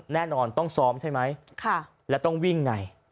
แน่นอนต้องซ้อมใช่ไหมและต้องวิ่งไง